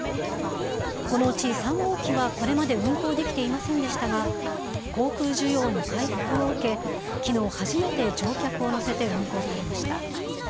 このうち３号機はこれまで運航できていませんでしたが、航空需要の回復を受け、きのう初めて乗客を乗せて運航されました。